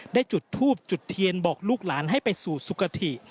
ได้จุดทูบจุดเทียนบอกลูกหลานให้ไปสู่สุขฐิ